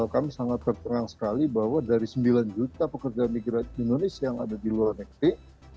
kami sangat tertengah sekali bahwa dari sembilan juta pekerja migran indonesia yang ada di luar negeri